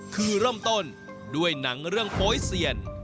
คือเริ่มต้นด้วยหนังเรื่องโป๊ยเซียน